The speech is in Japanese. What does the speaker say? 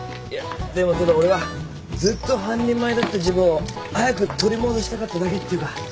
いやでもただ俺はずっと半人前だった自分を早く取り戻したかっただけっていうか。